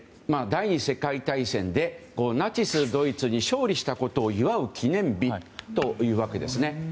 第２次世界大戦でナチスドイツに勝利したことを祝う記念日というわけです。